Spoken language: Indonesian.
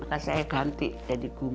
maka saya ganti jadi guru